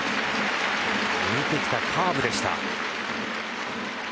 抜いてきたカーブでした。